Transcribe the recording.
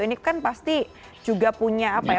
ini kan pasti juga punya apa ya